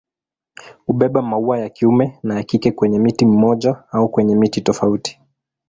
Hubeba maua ya kiume na ya kike kwenye mti mmoja au kwenye miti tofauti.